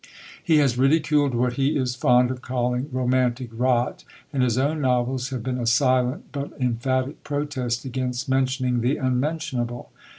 He has ridiculed what he is fond of calling "romantic rot," and his own novels have been a silent but emphatic protest against "mentioning the unmentionable."